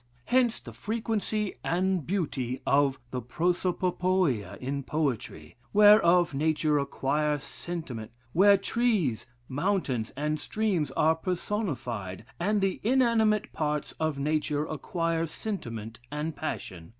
Hence the frequency and beauty of the prosopopoia in poetry; where trees, mountains, and streams are personified, and the inanimate parts of nature acquire sentiment and passion.